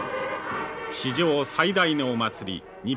「史上最大のお祭り日本